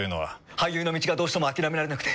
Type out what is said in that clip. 俳優の道がどうしても諦められなくて。